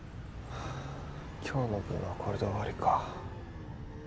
はぁ今日の分はこれで終わりか